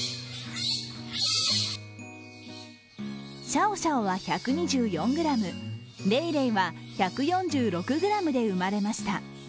シャオシャオは１２４ｇ、レイレイは１４６ｇで生まれました。